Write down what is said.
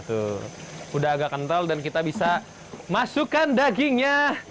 tuh udah agak kental dan kita bisa masukkan dagingnya